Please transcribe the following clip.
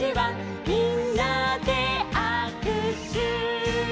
「みんなであくしゅ」